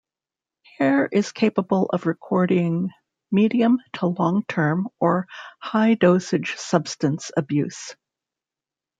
Hair is capable of recording medium to long-term or high dosage substance abuse.